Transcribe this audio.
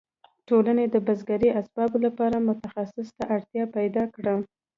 ټولنې د بزګرۍ اسبابو لپاره متخصص ته اړتیا پیدا کړه.